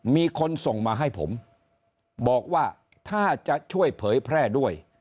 มีคนส่งมาให้ผมบอกว่าถ้าจะช่วยเผยแพร่ด้วย